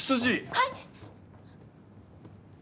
はい！